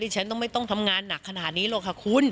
ฉันต้องไม่ต้องทำงานหนักขนาดนี้หรอกค่ะคุณ